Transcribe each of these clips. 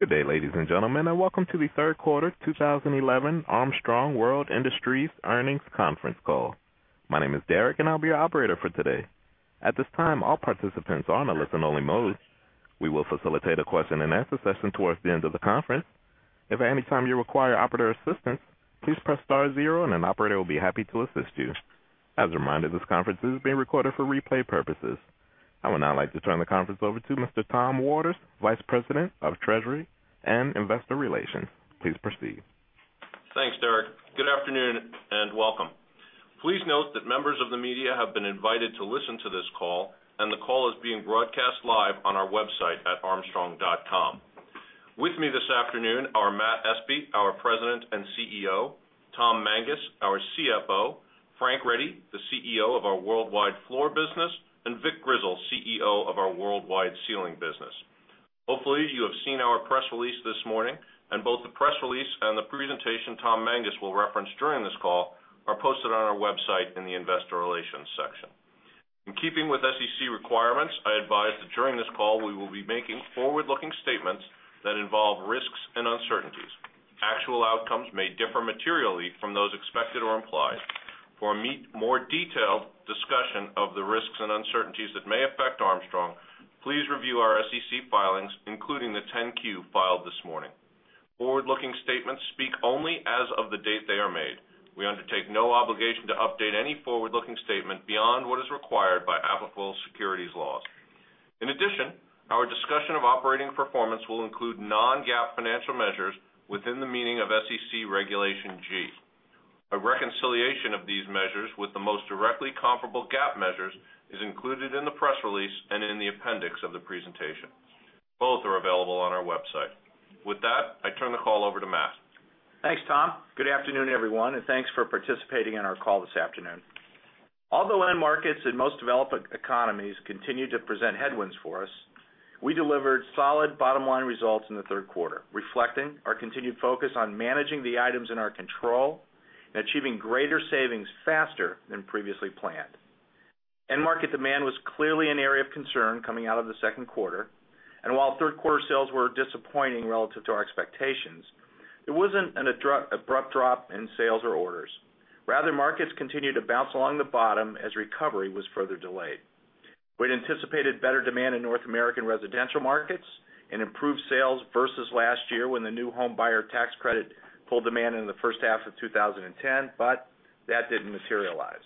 Good day, ladies and gentlemen, and welcome to the Third Quarter 2011 Armstrong World Industries Earnings Conference Call. My name is Derek, and I'll be your operator for today. At this time, all participants are in a listen-only mode. We will facilitate a question-and-answer session towards the end of the conference. If at any time you require operator assistance, please press star zero, and an operator will be happy to assist you. As a reminder, this conference is being recorded for replay purposes. I would now like to turn the conference over to Mr. Tom Waters, Vice President of Treasury and Investor Relations. Please proceed. Thanks, Derek. Good afternoon and welcome. Please note that members of the media have been invited to listen to this call, and the call is being broadcast live on our website at armstrong.com. With me this afternoon are Matt Espe, our President and CEO, Tom Mangas, our CFO, Frank Ready, the CEO of our Worldwide Floor Business, and Vic Grizzle, CEO of our Worldwide Ceiling Business. Hopefully, you have seen our press release this morning, and both the press release and the presentation Tom Mangas will reference during this call are posted on our website in the Investor Relations section. In keeping with SEC requirements, I advise that during this call we will be making forward-looking statements that involve risks and uncertainties. Actual outcomes may differ materially from those expected or implied. For a more detailed discussion of the risks and uncertainties that may affect Armstrong, please review our SEC filings, including the 10-Q filed this morning. Forward-looking statements speak only as of the date they are made. We undertake no obligation to update any forward-looking statement beyond what is required by applicable securities laws. In addition, our discussion of operating performance will include non-GAAP financial measures within the meaning of SEC Regulation G. A reconciliation of these measures with the most directly comparable GAAP measures is included in the press release and in the appendix of the presentation. Both are available on our website. With that, I turn the call over to Matt. Thanks, Tom. Good afternoon, everyone, and thanks for participating in our call this afternoon. Although end markets in most developed economies continue to present headwinds for us, we delivered solid bottom-line results in the third quarter, reflecting our continued focus on managing the items in our control and achieving greater savings faster than previously planned. End market demand was clearly an area of concern coming out of the second quarter, and while third-quarter sales were disappointing relative to our expectations, there wasn't an abrupt drop in sales or orders. Rather, markets continued to bounce along the bottom as recovery was further delayed. We had anticipated better demand in North American residential markets and improved sales versus last year when the new home buyer tax credit pulled demand in the first half of 2010, but that didn't materialize.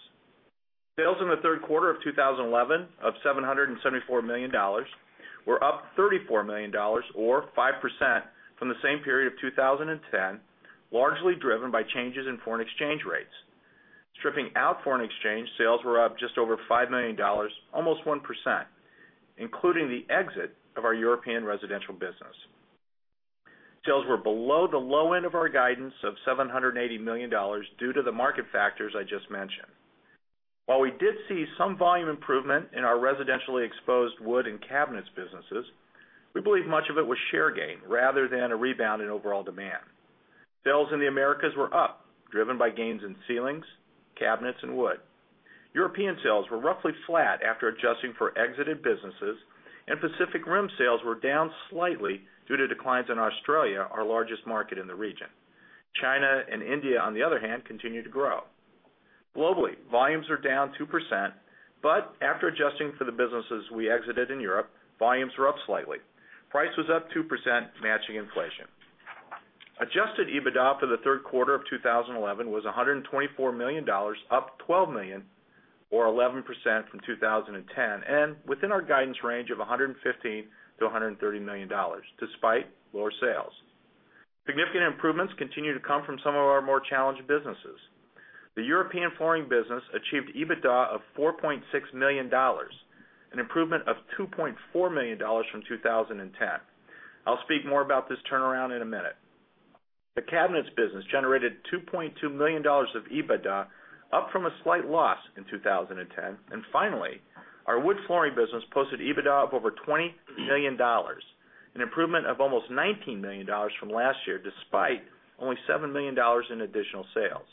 Sales in the third quarter of 2011 of $774 million were up $34 million, or 5% from the same period of 2010, largely driven by changes in foreign exchange rates. Stripping out foreign exchange, sales were up just over $5 million, almost 1%, including the exit of our European residential business. Sales were below the low end of our guidance of $780 million due to the market factors I just mentioned. While we did see some volume improvement in our residentially exposed wood and cabinets businesses, we believe much of it was share gain rather than a rebound in overall demand. Sales in the Americas were up, driven by gains in ceilings, cabinets, and wood. European sales were roughly flat after adjusting for exited businesses, and Pacific Rim sales were down slightly due to declines in Australia, our largest market in the region. China and India, on the other hand, continue to grow. Globally, volumes are down 2%, but after adjusting for the businesses we exited in Europe, volumes were up slightly. Price was up 2%, matching inflation. Adjusted EBITDA for the third quarter of 2011 was $124 million, up $12 million, or 11% from 2010, and within our guidance range of $115 million-$130 million, despite lower sales. Significant improvements continue to come from some of our more challenged businesses. The European flooring business achieved EBITDA of $4.6 million, an improvement of $2.4 million from 2010. I'll speak more about this turnaround in a minute. The cabinets business generated $2.2 million of EBITDA, up from a slight loss in 2010, and finally, our wood flooring business posted EBITDA of over $20 million, an improvement of almost $19 million from last year, despite only $7 million in additional sales.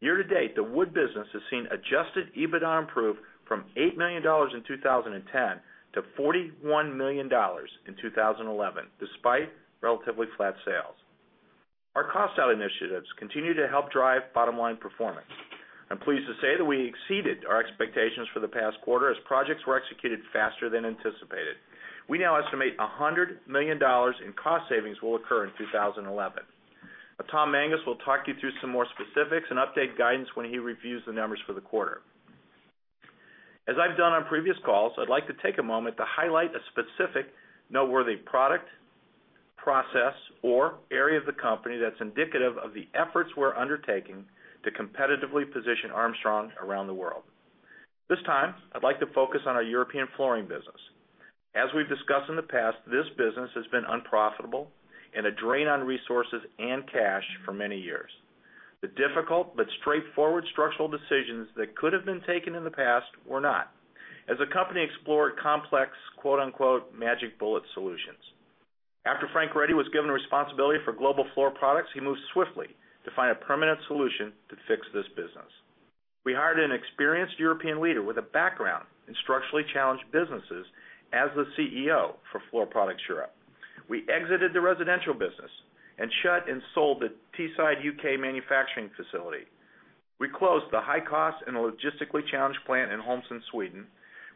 Year to date, the wood business has seen adjusted EBITDA improve from $8 million in 2010 to $41 million in 2011, despite relatively flat sales. Our cost-out initiatives continue to help drive bottom-line performance. I'm pleased to say that we exceeded our expectations for the past quarter as projects were executed faster than anticipated. We now estimate $100 million in cost savings will occur in 2011. Tom Mangas will talk you through some more specifics and update guidance when he reviews the numbers for the quarter. As I've done on previous calls, I'd like to take a moment to highlight a specific noteworthy product, process, or area of the company that's indicative of the efforts we're undertaking to competitively position Armstrong around the world. This time, I'd like to focus on our European flooring business. As we've discussed in the past, this business has been unprofitable and a drain on resources and cash for many years. The difficult but straightforward structural decisions that could have been taken in the past were not, as the company explored complex "magic bullet" solutions. After Frank Ready was given responsibility for global floor products, he moved swiftly to find a permanent solution to fix this business. We hired an experienced European leader with a background in structurally challenged businesses as the CEO for Floor Products Europe. We exited the residential business and shut and sold the Teesside UK manufacturing facility. We closed the high-cost and logistically challenged plant in Holmsund, Sweden.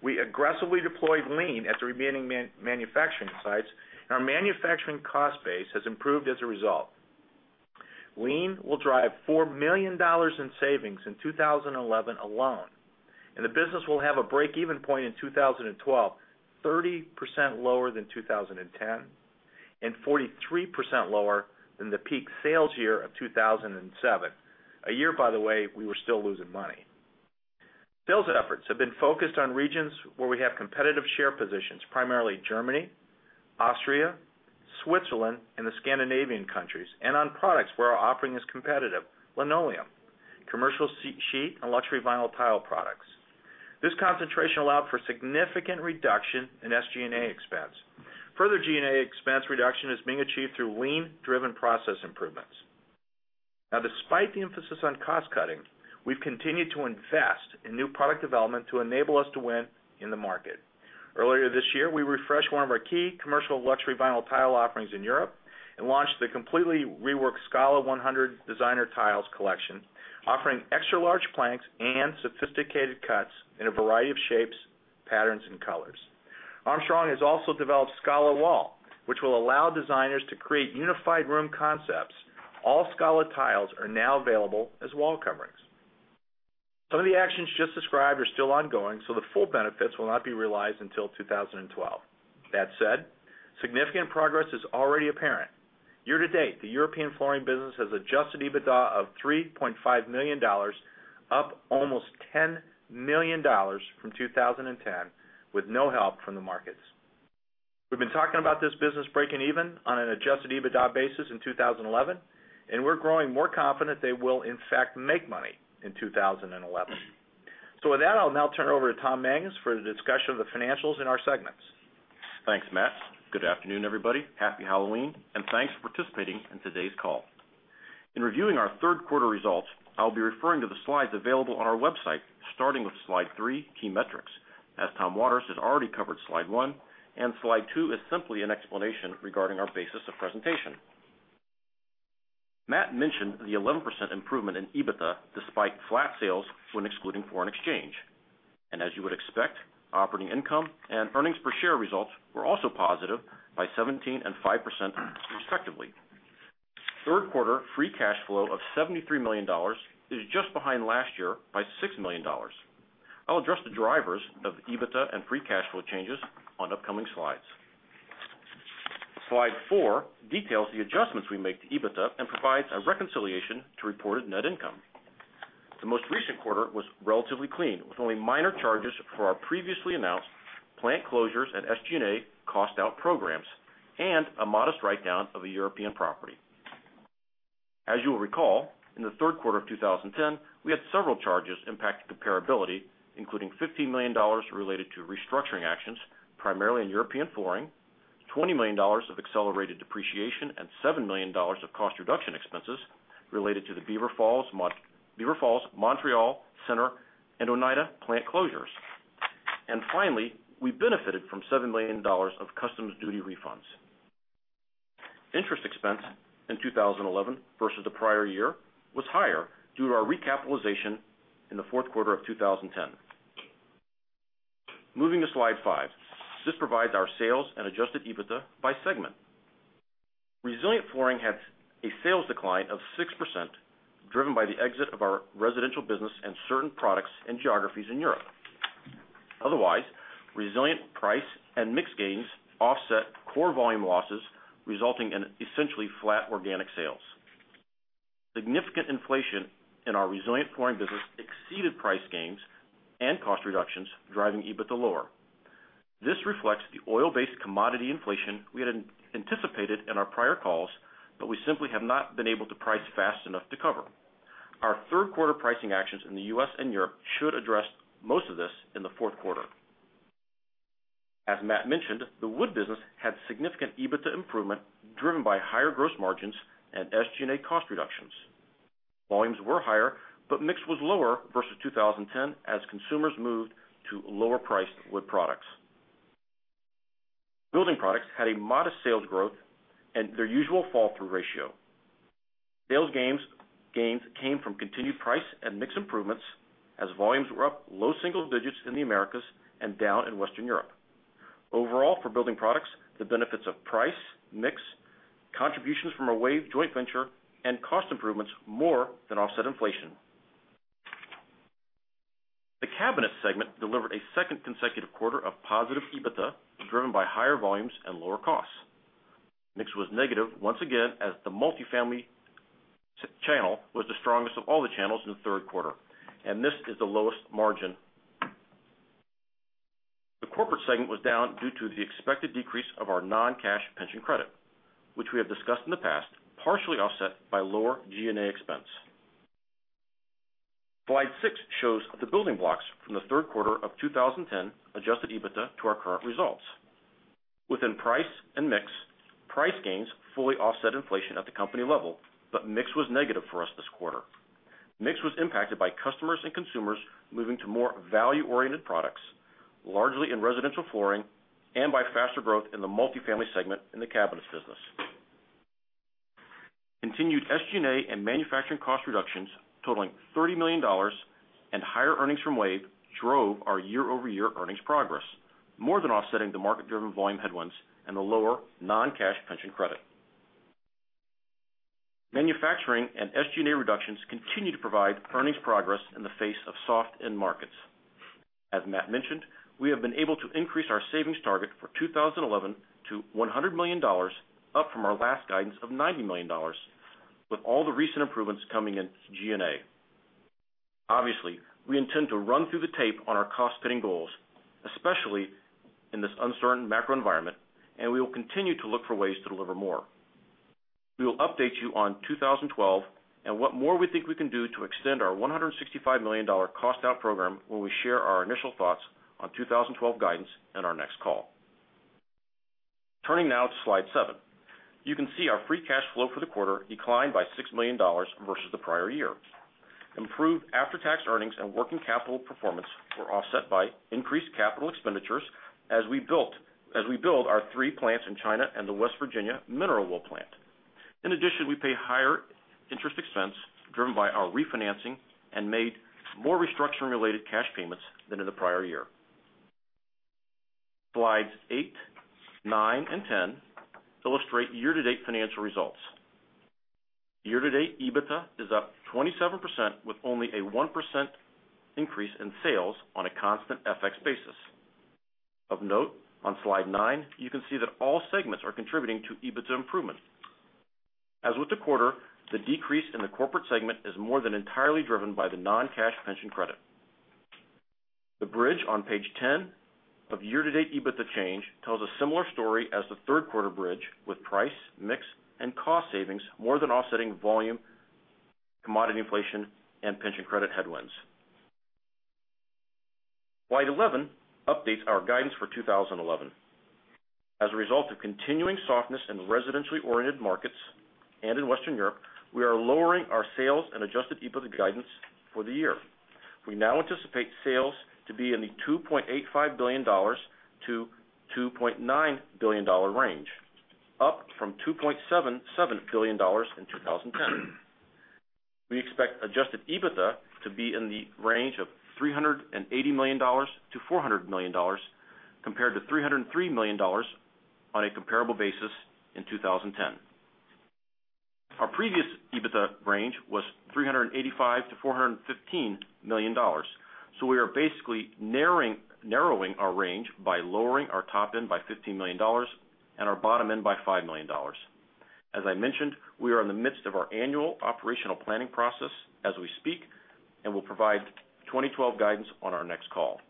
We aggressively deployed Lean at the remaining manufacturing sites, and our manufacturing cost base has improved as a result. Lean will drive $4 million in savings in 2011 alone, and the business will have a break-even point in 2012, 30% lower than 2010 and 43% lower than the peak sales year of 2007, a year, by the way, we were still losing money. Sales efforts have been focused on regions where we have competitive share positions, primarily Germany, Austria, Switzerland, and the Scandinavian countries, and on products where our offering is competitive: linoleum, commercial sheet, and luxury vinyl tile products. This concentration allowed for a significant reduction in SG&A expense. Further G&A expense reduction is being achieved through Lean-driven process improvements. Now, despite the emphasis on cost cutting, we've continued to invest in new product development to enable us to win in the market. Earlier this year, we refreshed one of our key commercial luxury vinyl tile offerings in Europe and launched the completely reworked Scala 100 designer tiles collection, offering extra-large planks and sophisticated cuts in a variety of shapes, patterns, and colors. Armstrong has also developed Scala Wall, which will allow designers to create unified room concepts. All Scala tiles are now available as wall coverings. Some of the actions just described are still ongoing, so the full benefits will not be realized until 2012. That said, significant progress is already apparent. Year to date, the European flooring business has adjusted EBITDA of $3.5 million, up almost $10 million from 2010, with no help from the markets. We've been talking about this business breaking even on an adjusted EBITDA basis in 2011, and we're growing more confident they will, in fact, make money in 2011. With that, I'll now turn it over to Tom Mangas for the discussion of the financials in our segments. Thanks, Matt. Good afternoon, everybody. Happy Halloween, and thanks for participating in today's call. In reviewing our third-quarter results, I'll be referring to the slides available on our website, starting with slide three, key metrics, as Tom Waters has already covered slide one, and slide two is simply an explanation regarding our basis of presentation. Matt mentioned the 11% improvement in EBITDA despite flat sales when excluding foreign exchange. As you would expect, operating income and earnings per share results were also positive by 17% and 5% respectively. Third-quarter free cash flow of $73 million is just behind last year by $6 million. I'll address the drivers of EBITDA and free cash flow changes on upcoming slides. Slide 4 details the adjustments we make to EBITDA and provides a reconciliation to reported net income. The most recent quarter was relatively clean, with only minor charges for our previously announced plant closures and SG&A cost-out programs and a modest write-down of the European property. As you will recall, in the third quarter of 2010, we had several charges impacting comparability, including $15 million related to restructuring actions, primarily in European flooring, $20 million of accelerated depreciation, and $7 million of cost reduction expenses related to the Beaver Falls, Montreal Center, and Oneida plant closures. Finally, we benefited from $7 million of customs duty refunds. Interest expense in 2011 versus the prior year was higher due to our recapitalization in the fourth quarter of 2010. Moving to Slide 5, this provides our sales and adjusted EBITDA by segment. Resilience flooring had a sales decline of 6%, driven by the exit of our residential business and certain products and geographies in Europe. Otherwise, Resilience price and mixed gains offset core volume losses, resulting in essentially flat organic sales. Significant inflation in our Resilience flooring business exceeded price gains and cost reductions, driving EBITDA lower. This reflects the oil-based commodity inflation we had anticipated in our prior calls, but we simply have not been able to price fast enough to cover. Our third-quarter pricing actions in the U.S. and Europe should address most of this in the fourth quarter. As Matt mentioned, the wood business had significant EBITDA improvement, driven by higher gross margins and SG&A cost reductions. Volumes were higher, but mix was lower versus 2010 as consumers moved to lower-priced wood products. Building products had a modest sales growth and their usual fall-through ratio. Sales gains came from continued price and mix improvements as volumes were up low single digits in the Americas and down in Western Europe. Overall, for building products, the benefits of price, mix, contributions from a WAVE joint venture, and cost improvements more than offset inflation. The cabinet segment delivered a second consecutive quarter of positive EBITDA, driven by higher volumes and lower costs. Mix was negative once again as the multifamily channel was the strongest of all the channels in the third quarter, and this is the lowest margin. The corporate segment was down due to the expected decrease of our non-cash pension credit, which we have discussed in the past, partially offset by lower G&A expense. Slide 6 shows the building blocks from the third quarter of 2010 adjusted EBITDA to our current results. Within price and mix, price gains fully offset inflation at the company level, but mix was negative for us this quarter. Mix was impacted by customers and consumers moving to more value-oriented products, largely in residential flooring, and by faster growth in the multifamily segment in the cabinets business. Continued SG&A and manufacturing cost reductions totaling $30 million and higher earnings from WAVE drove our year-over-year earnings progress, more than offsetting the market-driven volume headwinds and the lower non-cash pension credit. Manufacturing and SG&A reductions continue to provide earnings progress in the face of soft end markets. As Matt mentioned, we have been able to increase our savings target for 2011 to $100 million, up from our last guidance of $90 million, with all the recent improvements coming in G&A. Obviously, we intend to run through the tape on our cost-fitting goals, especially in this uncertain macro environment, and we will continue to look for ways to deliver more. We will update you on 2012 and what more we think we can do to extend our $165 million cost-out program when we share our initial thoughts on 2012 guidance in our next call. Turning now to Slide 7, you can see our free cash flow for the quarter declined by $6 million versus the prior year. Improved after-tax earnings and working capital performance were offset by increased capital expenditures as we built our three plants in China and the West Virginia mineral wool plant. In addition, we pay higher interest expense driven by our refinancing and made more restructuring-related cash payments than in the prior year. Slides 8, 9, and 10 illustrate year-to-date financial results. Year-to-date EBITDA is up 27% with only a 1% increase in sales on a constant FX basis. Of note, on slide nine, you can see that all segments are contributing to EBITDA improvement. As with the quarter, the decrease in the corporate segment is more than entirely driven by the non-cash pension credit. The bridge on page ten of year-to-date EBITDA change tells a similar story as the third-quarter bridge, with price, mix, and cost savings more than offsetting volume, commodity inflation, and pension credit headwinds. Slide 11 updates our guidance for 2011. As a result of continuing softness in the residentially oriented markets and in Western Europe, we are lowering our sales and adjusted EBITDA guidance for the year. We now anticipate sales to be in the $2.85 billion-$2.9 billion range, up from $2.77 billion in 2010. We expect adjusted EBITDA to be in the range of $380 million-$400 million, compared to $303 million on a comparable basis in 2010. Our previous EBITDA range was $385 million-$415 million, so we are basically narrowing our range by lowering our top end by $15 million and our bottom end by $5 million. As I mentioned, we are in the midst of our annual operational planning process as we speak and will provide 2012 guidance on our next call.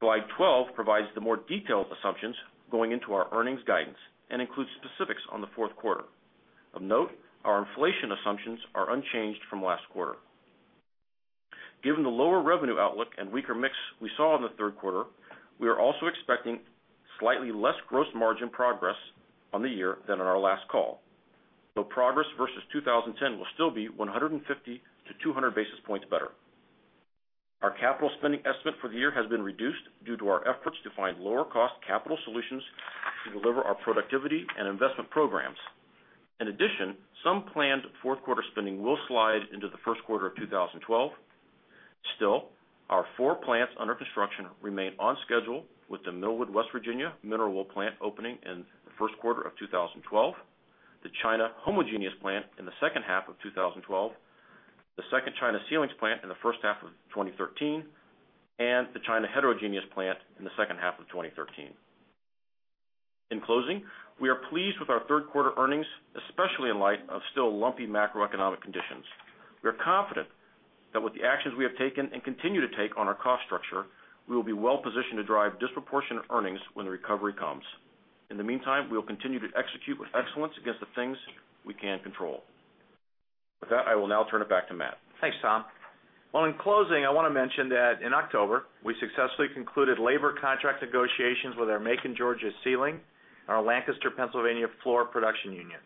Slide 12 provides the more detailed assumptions going into our earnings guidance and includes specifics on the fourth quarter. Of note, our inflation assumptions are unchanged from last quarter. Given the lower revenue outlook and weaker mix we saw in the third quarter, we are also expecting slightly less gross margin progress on the year than on our last call. The progress versus 2010 will still be 150 basis points-200 basis points better. Our capital spending estimate for the year has been reduced due to our efforts to find lower-cost capital solutions to deliver our productivity and investment programs. In addition, some planned fourth quarter spending will slide into the first quarter of 2012. Still, our four plants under construction remain on schedule, with the Norwood, West Virginia, Mineral Fiber plant opening in the first quarter of 2012, the China Homogeneous plant in the second half of 2012, the second China Ceilings plant in the first half of 2013, and the China Heterogeneous plant in the second half of 2013. In closing, we are pleased with our third-quarter earnings, especially in light of still lumpy macroeconomic conditions. We are confident that with the actions we have taken and continue to take on our cost structure, we will be well-positioned to drive disproportionate earnings when the recovery comes. In the meantime, we will continue to execute with excellence against the things we can control. With that, I will now turn it back to Matt. Thanks, Tom. In closing, I want to mention that in October, we successfully concluded labor contract negotiations with our Macon, Georgia ceiling and our Lancaster, Pennsylvania, floor production unions.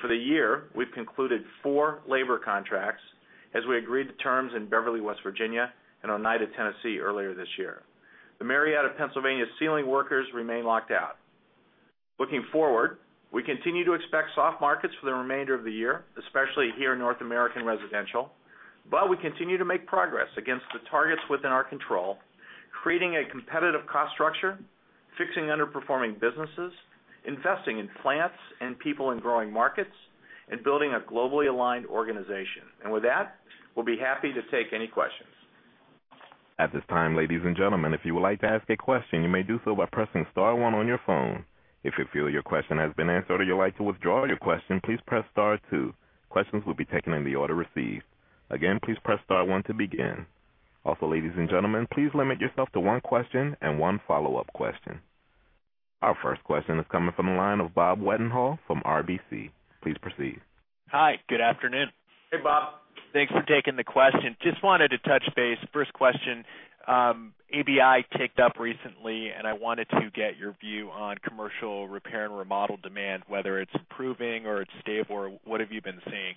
For the year, we've concluded four labor contracts as we agreed to terms in Beverly, West Virginia, and Oneida, Tennessee, earlier this year. The Marietta, Pennsylvania, ceiling workers remain locked out. Looking forward, we continue to expect soft markets for the remainder of the year, especially here in North American residential, but we continue to make progress against the targets within our control, creating a competitive cost structure, fixing underperforming businesses, investing in plants and people in growing markets, and building a globally aligned organization. With that, we'll be happy to take any questions. At this time, ladies and gentlemen, if you would like to ask a question, you may do so by pressing star one on your phone. If you feel your question has been answered or you would like to withdraw your question, please press star two. Questions will be taken in the order received. Again, please press star one to begin. Also, ladies and gentlemen, please limit yourself to one question and one follow-up question. Our first question is coming from the line of Bob Wetenhall from RBC. Please proceed. Hi, good afternoon. Hey, Bob. Thanks for taking the question. Just wanted to touch base. First question, ABI ticked up recently, and I wanted to get your view on commercial repair and remodel demand, whether it's improving or it's stable, or what have you been seeing?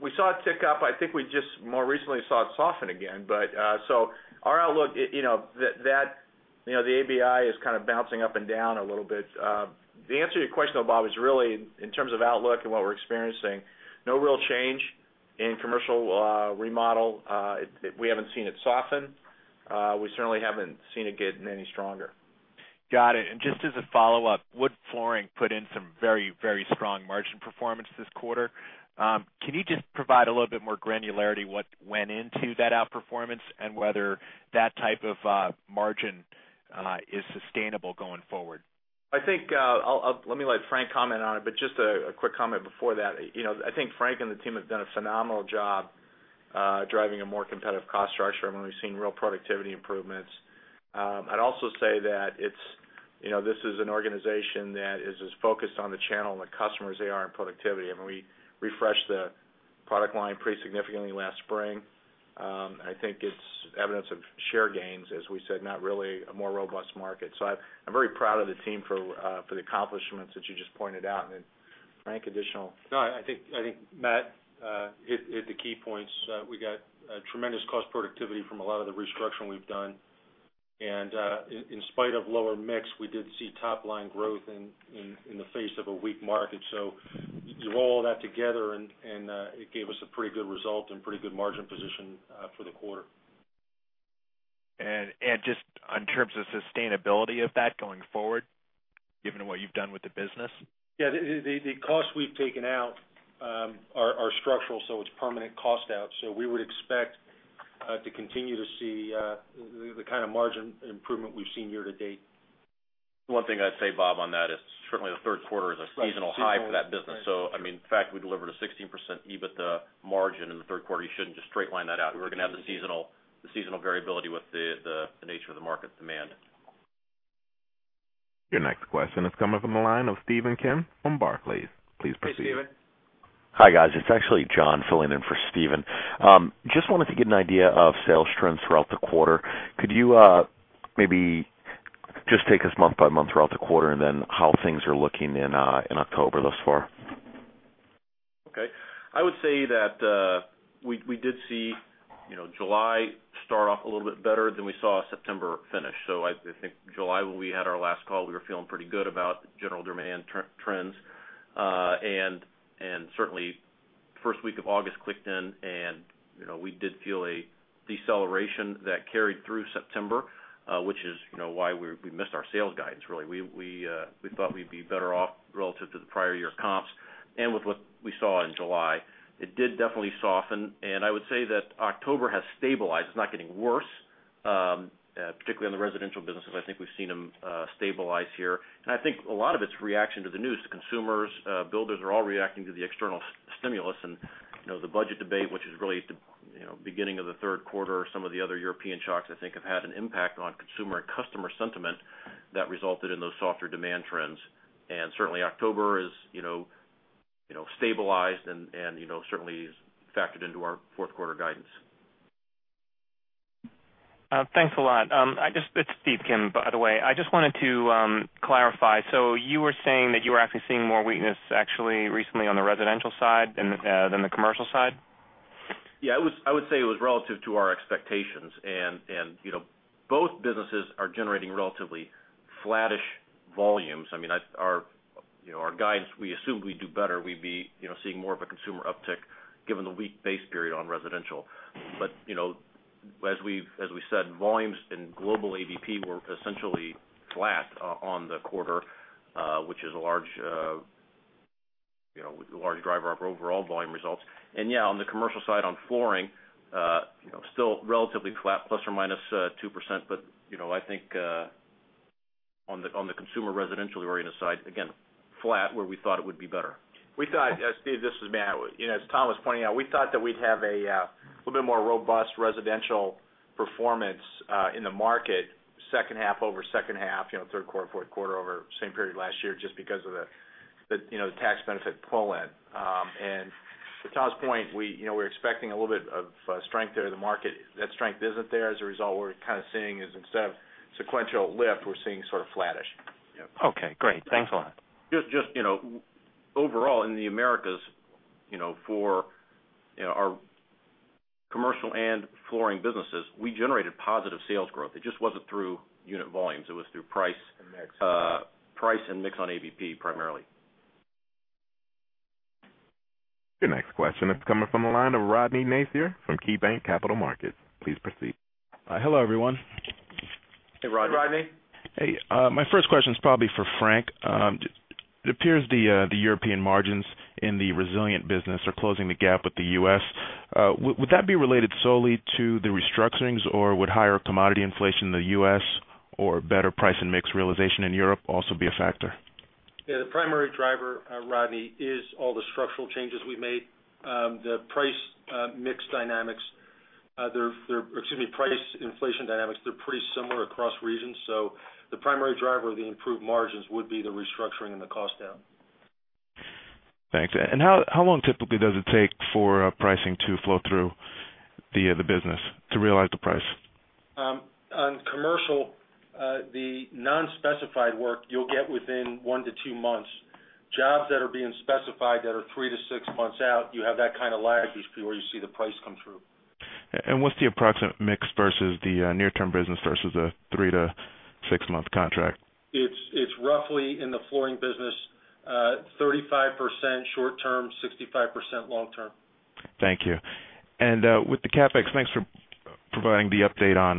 We saw it tick up. I think we just more recently saw it soften again, but our outlook, you know, the ABI is kind of bouncing up and down a little bit. The answer to your question, though, Bob, is really in terms of outlook and what we're experiencing, no real change in commercial remodel. We haven't seen it soften. We certainly haven't seen it get any stronger. Got it. Just as a follow-up, wood flooring put in some very, very strong margin performance this quarter. Can you just provide a little bit more granularity what went into that outperformance and whether that type of margin is sustainable going forward? I think I'll let Frank comment on it, but just a quick comment before that. I think Frank and the team have done a phenomenal job driving a more competitive cost structure. We've seen real productivity improvements. I'd also say that this is an organization that is as focused on the channel and the customers as they are on productivity. We refreshed the product line pretty significantly last spring. I think it's evidence of share gains, as we said, not really a more robust market. I'm very proud of the team for the accomplishments that you just pointed out. Frank, additional. I think Matt hit the key points. We got tremendous cost productivity from a lot of the restructuring we've done. In spite of lower mix, we did see top line growth in the face of a weak market. You roll all that together, and it gave us a pretty good result and pretty good margin position for the quarter. In terms of sustainability of that going forward, given what you've done with the business? Yeah, the costs we've taken out are structural, so it's permanent cost out. We would expect to continue to see the kind of margin improvement we've seen year to date. One thing I'd say, Bob, on that is certainly the third quarter is a seasonal high for that business. In fact, we delivered a 16% EBITDA margin in the third quarter. You shouldn't just straight line that out. We are going to have the seasonal variability with the nature of the market's demand. Your next question is coming from the line of Steven Kim from Barclays. Please proceed. Hey, Stephen. Hi, guys. It's actually John filling in for Steven. I just wanted to get an idea of sales trends throughout the quarter. Could you maybe just take us month by month throughout the quarter, and then how things are looking in October thus far? Okay. I would say that we did see July start off a little bit better than we saw September finish. I think July, when we had our last call, we were feeling pretty good about general demand trends, and certainly, the first week of August clicked in, and we did feel a deceleration that carried through September, which is why we missed our sales guidance, really. We thought we'd be better off relative to the prior year's comps. With what we saw in July, it did definitely soften. I would say that October has stabilized. It's not getting worse, particularly in the residential businesses. I think we've seen them stabilize here. I think a lot of it's a reaction to the news. The consumers, builders are all reacting to the external stimulus. The budget debate, which is really the beginning of the third quarter, some of the other European shocks, I think, have had an impact on consumer and customer sentiment that resulted in those softer demand trends. Certainly, October is stabilized and certainly is factored into our fourth quarter guidance. Thanks a lot. It's Steven Kim, by the way. I just wanted to clarify. You were saying that you were actually seeing more weakness recently on the residential side than the commercial side? Yeah, I would say it was relative to our expectations. Both businesses are generating relatively flattish volumes. I mean, our guidance, we assumed we'd do better. We'd be seeing more of a consumer uptick given the weak base period on residential. As we said, volumes in global AVP were essentially flat on the quarter, which is a large driver of overall volume results. On the commercial side on flooring, still relatively flat, ±2%. I think on the consumer residential-oriented side, again, flat where we thought it would be better. We thought, as Steve, this is Matt. You know, as Tom was pointing out, we thought that we'd have a little bit more robust residential performance in the market, second half over second half, you know, third quarter, fourth quarter over the same period last year, just because of the, you know, the tax benefit pull in. To Tom's point, we, you know, we're expecting a little bit of strength there. The market, that strength isn't there. As a result, what we're kind of seeing is instead of a sequential lift, we're seeing sort of flattish. Yeah. Okay, great. Thanks a lot. Overall in the Americas, for our commercial and flooring businesses, we generated positive sales growth. It just wasn't through unit volumes. It was through price and mix. Price and mix on AVP primarily. Your next question is coming from the line of Rodny Nacier from KeyBanc Capital Markets. Please proceed. Hello, everyone. Hey, Rodny. My first question is probably for Frank. It appears the European margins in the Resilience business are closing the gap with the U.S. Would that be related solely to the restructurings, or would higher commodity inflation in the U.S. or better price and mix realization in Europe also be a factor? Yeah, the primary driver, Rodny, is all the structural changes we've made. The price, mix dynamics, or, excuse me, price inflation dynamics, they're pretty similar across regions. The primary driver of the improved margins would be the restructuring and the cost down. Thanks. How long typically does it take for pricing to flow through the business to realize the price? On commercial, the non-specified work, you'll get within one to two months. Jobs that are being specified that are three to six months out, you have that kind of laggy speed where you see the price come through. What's the approximate mix versus the near-term business versus the three to six-month contract? It's roughly in the flooring business, 35% short term, 65% long term. Thank you. With the CapEx, thanks for providing the update on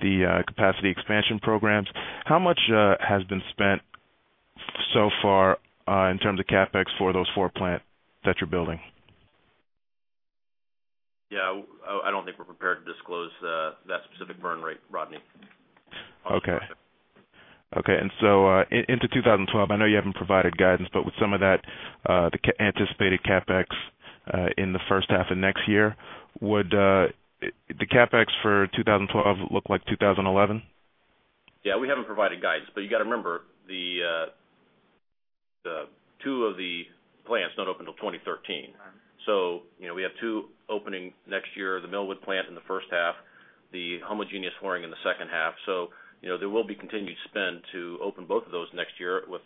the capacity expansion programs. How much has been spent so far in terms of CapEx for those four plants that you're building? Yeah, I don't think we're prepared to disclose that specific burn rate, Rodny. Okay. Into 2012, I know you haven't provided guidance, but with some of that, the anticipated CapEx in the first half of next year, would the CapEx for 2012 look like 2011? We haven't provided guidance, but you got to remember the two of the plants don't open till 2013. You know, we have two opening next year, the Millwood plant in the first half, the homogeneous flooring in the second half. There will be continued spend to open both of those next year with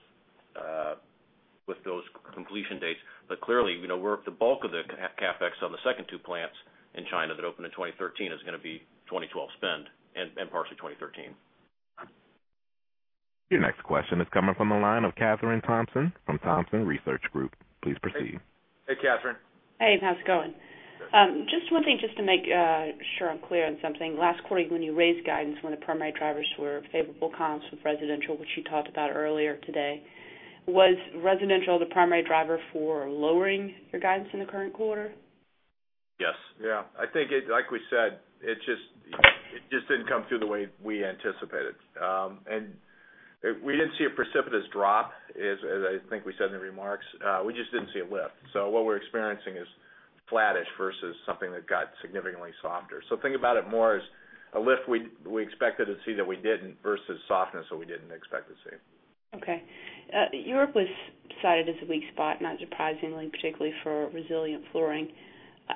those completion dates. Clearly, the bulk of the CapEx on the second two plants in China that opened in 2013 is going to be 2012 spend and partially 2013. Your next question is coming from the line of Kathryn Thompson from Thompson Research Group. Please proceed. Hey, Kathryn. Hey, how's it going? Just one thing to make sure I'm clear on something. Last quarter, when you raised guidance, one of the primary drivers were favorable comps with residential, which you talked about earlier today. Was residential the primary driver for lowering your guidance in the current quarter? Yes. I think it, like we said, it just didn't come through the way we anticipated. We didn't see a precipitous drop, as I think we said in the remarks. We just didn't see a lift. What we're experiencing is flattish versus something that got significantly softer. Think about it more as a lift we expected to see that we didn't versus softness that we didn't expect to see. Okay. Europe was cited as a weak spot, not surprisingly, particularly for Resilience flooring.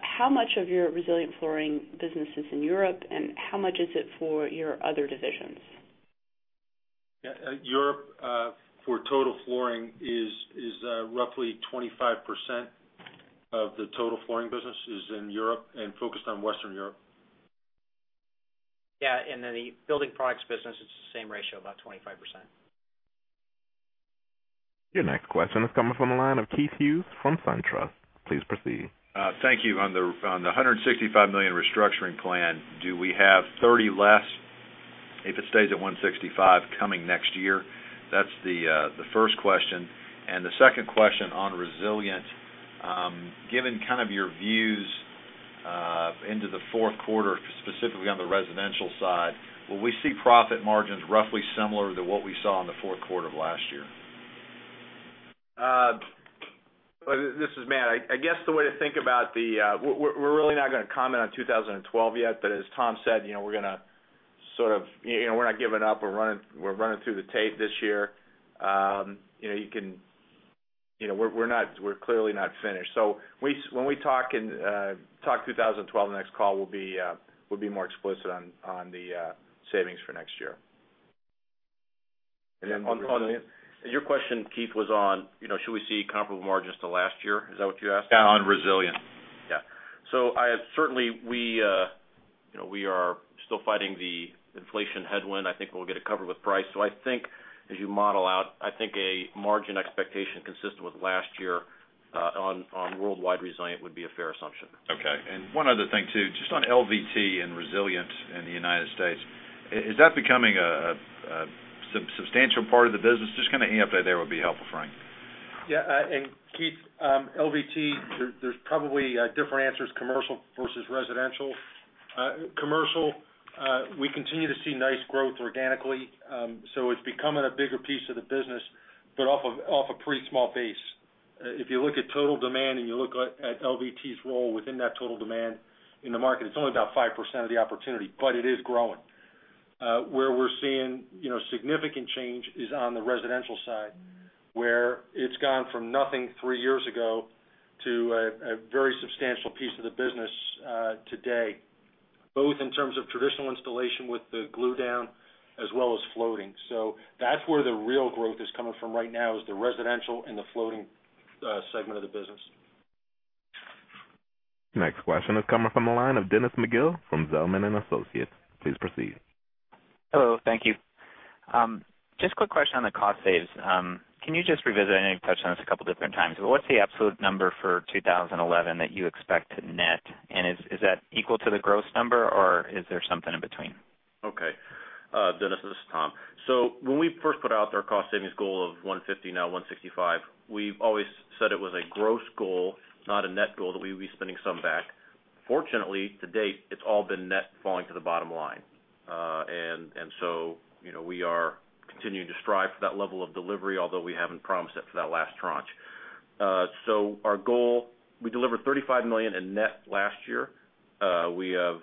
How much of your Resilience flooring business is in Europe, and how much is it for your other divisions? Europe, for total flooring, is roughly 25% of the total flooring business and is focused on Western Europe. Yeah, in the building products business, it's the same ratio, about 25%. Your next question is coming from the line of Keith Hughes from Truist Securities. Please proceed. Thank you. On the $165 million restructuring plan, do we have $30 million less if it stays at $165 million coming next year? That's the first question. The second question on Resilience, given kind of your views into the fourth quarter, specifically on the residential side, will we see profit margins roughly similar to what we saw in the fourth quarter of last year? This is Matt. I guess the way to think about it, we're really not going to comment on 2012 yet, but as Tom said, we're not giving up. We're running through the tape this year. We're not finished. When we talk 2012, the next call will be more explicit on the savings for next year. Your question, Keith, was on, you know, should we see comparable margins to last year? Is that what you asked? Yeah, on Resilience. Yeah. I have certainly, you know, we are still fighting the inflation headwind. I think we'll get it covered with price. I think, as you model out, I think a margin expectation consistent with last year, on worldwide Resilience would be a fair assumption. Okay. One other thing too, just on LVT and Resilience in the United States, is that becoming a substantial part of the business? Just kind of any update there would be helpful, Frank. Yeah, and Keith, LVT, there's probably different answers, commercial versus residential. Commercial, we continue to see nice growth organically. It's becoming a bigger piece of the business, but off of a pretty small base. If you look at total demand and you look at LVT's role within that total demand in the market, it's only about 5% of the opportunity, but it is growing. Where we're seeing significant change is on the residential side, where it's gone from nothing three years ago to a very substantial piece of the business today, both in terms of traditional installation with the glue down, as well as floating. That's where the real growth is coming from right now, the residential and the floating segment of the business. Next question is coming from the line of Dennis McGill from Zelman & Associates. Please proceed. Hello, thank you. Just a quick question on the cost saves. Can you just revisit? I know you've touched on this a couple of different times, but what's the absolute number for 2011 that you expect to net? Is that equal to the gross number, or is there something in between? Okay. Dennis, this is Tom. When we first put out our cost savings goal of $150 million, now $165 million, we've always said it was a gross goal, not a net goal, that we'd be spending some back. Fortunately, to date, it's all been net falling to the bottom line. You know, we are continuing to strive for that level of delivery, although we haven't promised it for that last tranche. Our goal, we delivered $35 million in net last year. We have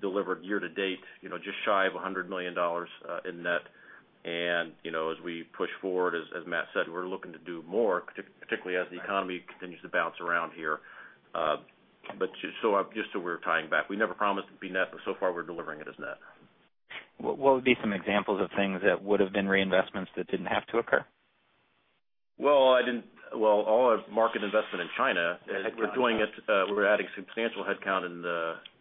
delivered year to date just shy of $100 million in net. As we push forward, as Matt said, we're looking to do more, particularly as the economy continues to bounce around here. Just so we're tying back, we never promised it'd be net, but so far we're delivering it as net. What would be some examples of things that would have been reinvestments that didn't have to occur? All our market investment in China, we're doing it, we're adding substantial headcount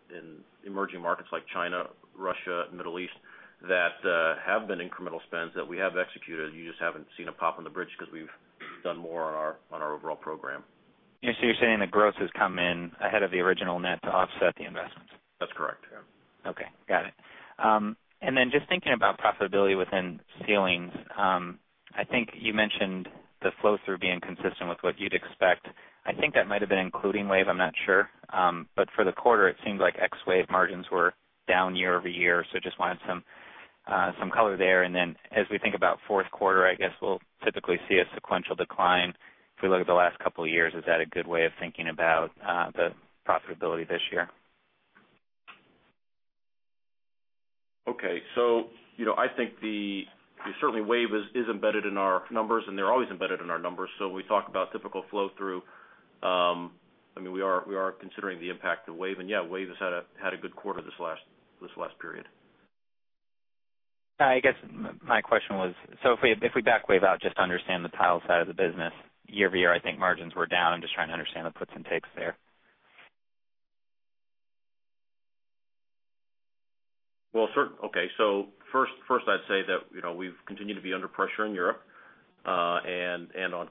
in emerging markets like China, Russia, and the Middle East that have been incremental spends that we have executed. You just haven't seen a pop on the bridge because we've done more on our overall program. You're saying the gross has come in ahead of the original net to offset the investments? That's correct, yeah. Okay. Got it. And then just thinking about profitability within ceilings, I think you mentioned the flow-through being consistent with what you'd expect. I think that might have been including WAVE. I'm not sure. For the quarter, it seemed like ex-WAVE margins were down year-over-year. I just wanted some color there. As we think about fourth quarter, I guess we'll typically see a sequential decline. If we look at the last couple of years, is that a good way of thinking about the profitability this year? Okay. I think certainly WAVE is embedded in our numbers, and they're always embedded in our numbers. When we talk about typical flow-through, we are considering the impact of WAVE. WAVE has had a good quarter this last period. I guess my question was, if we back WAVE out just to understand the tile side of the business, year over year, I think margins were down. I'm just trying to understand the puts and takes there. First, I'd say that, you know, we've continued to be under pressure in Europe and on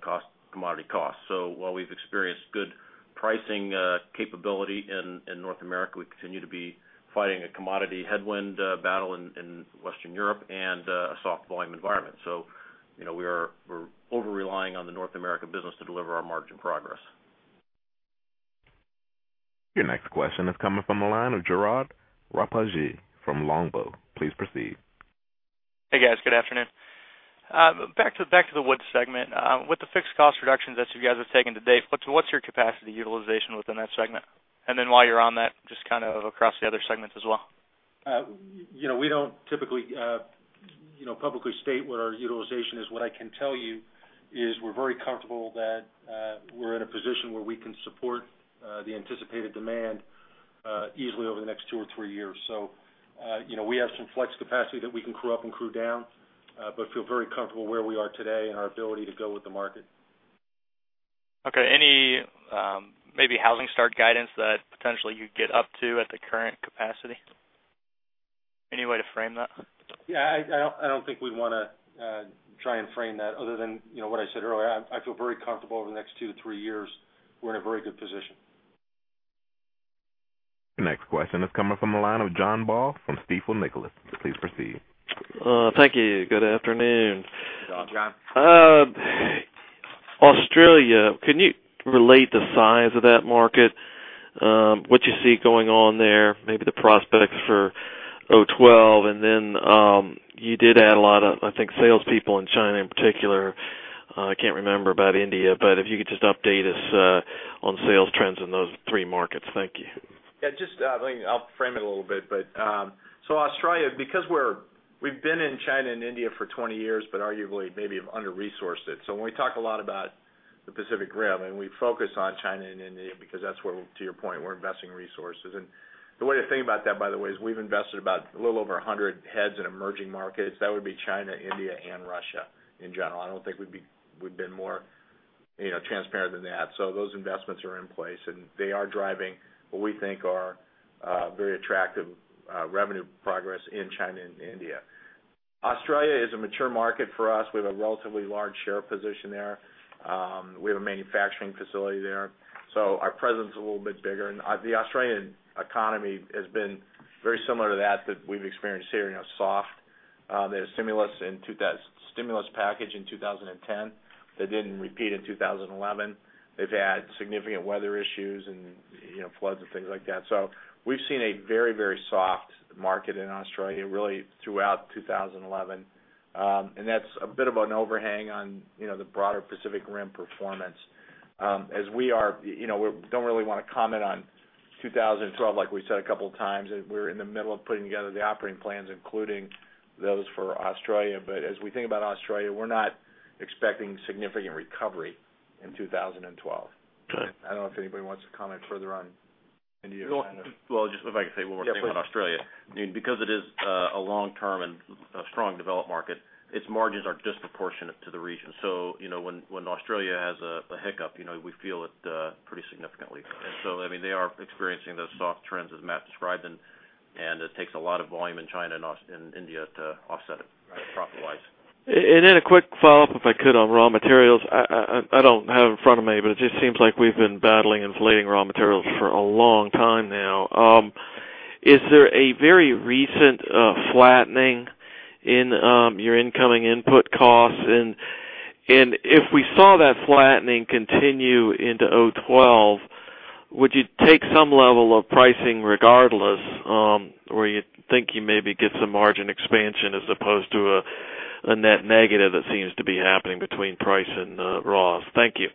commodity costs. While we've experienced good pricing capability in North America, we continue to be fighting a commodity headwind battle in Western Europe and a soft volume environment. You know, we're over-relying on the North American business to deliver our margin progress. Your next question is coming from the line of Gerard Parisi from Longbow. Please proceed. Hey guys, good afternoon. Back to the Woods segment. With the fixed cost reductions that you guys have taken to date, what's your capacity utilization within that segment? Then while you're on that, just kind of across the other segments as well. We don't typically publicly state what our utilization is. What I can tell you is we're very comfortable that we're in a position where we can support the anticipated demand easily over the next two or three years. We have some flex capacity that we can crew up and crew down, but feel very comfortable where we are today and our ability to go with the market. Okay. Any, maybe housing start guidance that potentially you'd get up to at the current capacity? Any way to frame that? Yeah, I don't think we'd want to try and frame that other than what I said earlier. I feel very comfortable over the next two to three years, we're in a very good position. Next question is coming from the line of John Baugh from Stifel Nicolaus. Please proceed. Thank you. Good afternoon. John. Can you relate the size of that market? What do you see going on there? Maybe the prospects for 2012, and then, you did add a lot of, I think, salespeople in China in particular. I can't remember about India, but if you could just update us on sales trends in those three markets, thank you. Yeah, just, I mean, I'll frame it a little bit. Australia, because we've been in China and India for 20 years, but arguably maybe have under-resourced it. When we talk a lot about the Pacific Rim, we focus on China and India because that's where, to your point, we're investing resources. The way to think about that, by the way, is we've invested about a little over 100 heads in emerging markets. That would be China, India, and Russia in general. I don't think we've been more, you know, transparent than that. Those investments are in place, and they are driving what we think are very attractive revenue progress in China and India. Australia is a mature market for us. We have a relatively large share position there. We have a manufacturing facility there, so our presence is a little bit bigger. The Australian economy has been very similar to that that we've experienced here, you know, soft. They had a stimulus package in 2010 that didn't repeat in 2011. They've had significant weather issues and, you know, floods and things like that. We've seen a very, very soft market in Australia really throughout 2011, and that's a bit of an overhang on the broader Pacific Rim performance. As we are, you know, we don't really want to comment on 2012, like we said a couple of times, and we're in the middle of putting together the operating plans, including those for Australia. As we think about Australia, we're not expecting significant recovery in 2012. I don't know if anybody wants to comment further on India. If I can say what we're saying about Australia, because it is a long-term and a strong developed market, its margins are disproportionate to the region. You know, when Australia has a hiccup, you know, we feel it pretty significantly. They are experiencing those soft trends, as Matt described, and it takes a lot of volume in China and India to offset it profit-wise. A quick follow-up, if I could, on raw materials. I don't have it in front of me, but it just seems like we've been battling inflating raw materials for a long time now. Is there a very recent flattening in your incoming input costs? If we saw that flattening continue into 2012, would you take some level of pricing regardless, where you think you maybe get some margin expansion as opposed to a net negative that seems to be happening between price and ROS? Thank you.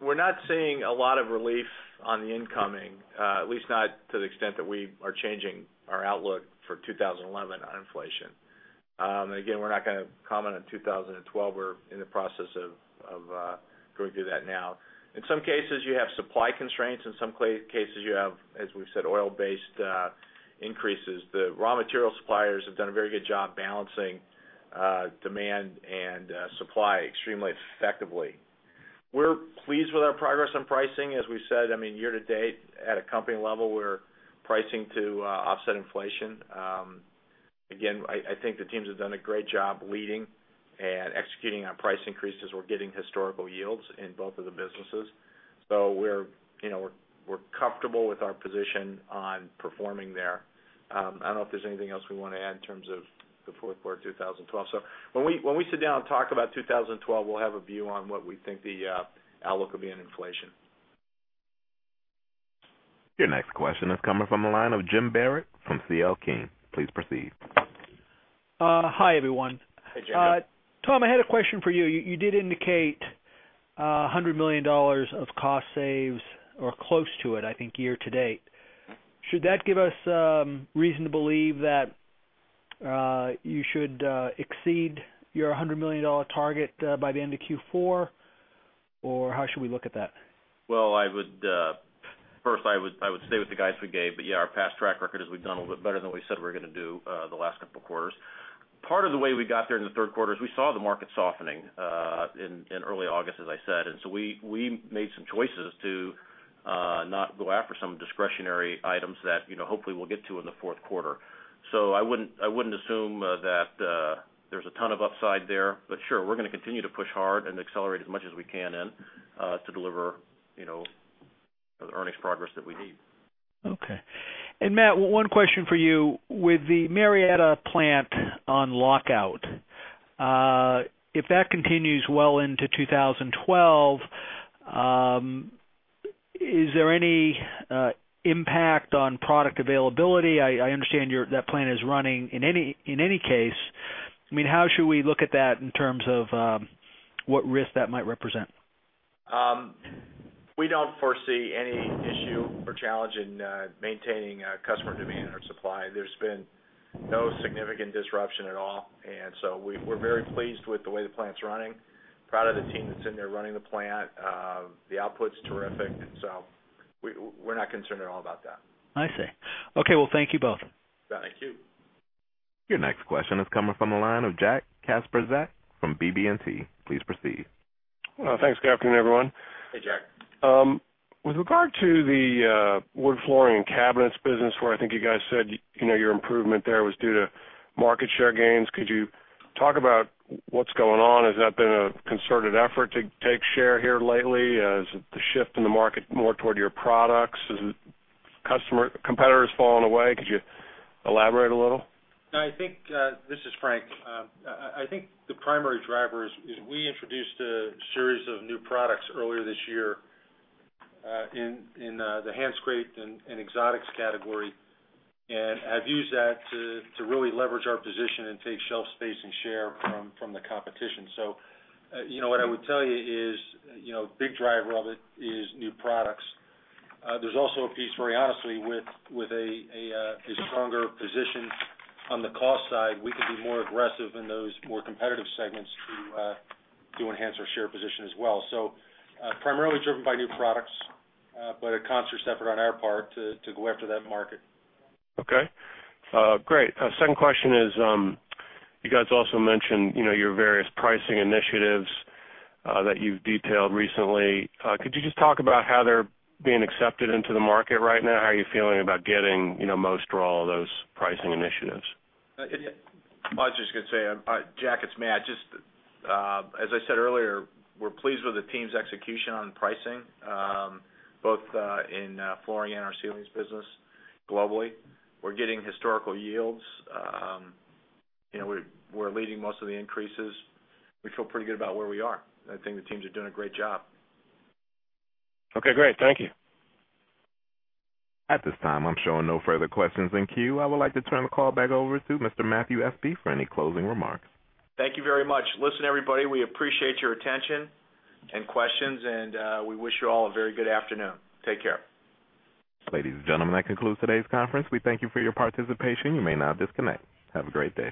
We're not seeing a lot of relief on the incoming, at least not to the extent that we are changing our outlook for 2011 on inflation. Again, we're not going to comment on 2012. We're in the process of going through that now. In some cases, you have supply constraints. In some cases, you have, as we've said, oil-based increases. The raw material suppliers have done a very good job balancing demand and supply extremely effectively. We're pleased with our progress on pricing. As we said, year to date, at a company level, we're pricing to offset inflation. Again, I think the teams have done a great job leading and executing on price increases because we're getting historical yields in both of the businesses. We're comfortable with our position on performing there. I don't know if there's anything else we want to add in terms of the fourth quarter of 2012. When we sit down and talk about 2012, we'll have a view on what we think the outlook will be in inflation. Your next question is coming from the line of Jim Barrett from CL King. Please proceed. hi, everyone. Hey, Jacob. Tom, I had a question for you. You did indicate $100 million of cost saves or close to it, I think, year to date. Should that give us reason to believe that you should exceed your $100 million target by the end of Q4? Or how should we look at that? I would stay with the guidance we gave, but yeah, our past track record is we've done a little bit better than we said we were going to do the last couple of quarters. Part of the way we got there in the third quarter is we saw the market softening in early August, as I said. We made some choices to not go after some discretionary items that, you know, hopefully we'll get to in the fourth quarter. I wouldn't assume that there's a ton of upside there, but sure, we're going to continue to push hard and accelerate as much as we can to deliver the earnings progress that we need. Okay. Matt, one question for you. With the Marietta plant on lockout, if that continues well into 2012, is there any impact on product availability? I understand that plant is running. In any case, how should we look at that in terms of what risk that might represent? We don't foresee any issue or challenge in maintaining customer demand or supply. There's been no significant disruption at all. We're very pleased with the way the plant's running and proud of the team that's in there running the plant. The output's terrific, and we're not concerned at all about that. I see. Okay. Thank you both. Thank you. Your next question is coming from the line of Jack Kasprzak from BB&T. Please proceed. Thank you. Good afternoon, everyone. Hey, Jack. With regard to the wood flooring and cabinets business, where I think you guys said your improvement there was due to market share gains, could you talk about what's going on? Has that been a concerted effort to take share here lately? Is it the shift in the market more toward your products? Is it customer competitors falling away? Could you elaborate a little? I think the primary driver is we introduced a series of new products earlier this year in the hand-scraped and exotics category. I've used that to really leverage our position and take shelf space and share from the competition. What I would tell you is a big driver of it is new products. There's also a piece where we honestly, with a stronger position on the cost side, could be more aggressive in those more competitive segments to enhance our share position as well. Primarily driven by new products, but a conscious effort on our part to go after that market. Okay, great. Second question is, you guys also mentioned your various pricing initiatives that you've detailed recently. Could you just talk about how they're being accepted into the market right now? How are you feeling about getting most or all of those pricing initiatives? I was just going to say, Jack, it's Matt. As I said earlier, we're pleased with the team's execution on pricing, both in flooring and our ceilings business globally. We're getting historical yields. You know, we're leading most of the increases. We feel pretty good about where we are. I think the teams are doing a great job. Okay, great. Thank you. At this time, I'm showing no further questions in queue. I would like to turn the call back over to Mr. Matthew Espe for any closing remarks. Thank you very much. Listen, everybody, we appreciate your attention and questions, and we wish you all a very good afternoon. Take care. Ladies and gentlemen, that concludes today's conference. We thank you for your participation. You may now disconnect. Have a great day.